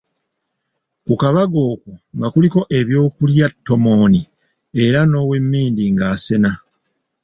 Ku kabaga okwo, nga kuliko eby'okulya ttomooni era n'owemmindi ng’asena.